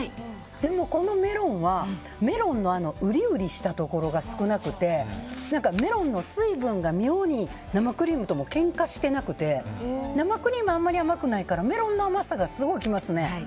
でも、このメロンはメロンのウリウリしたところが少なくて、メロンの水分が妙に生クリームともけんかしてなくて生クリームがあまり甘くないからメロンの甘さがすごいきますね。